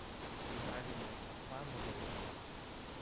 These isomers are flammable liquids.